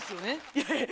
いやいや！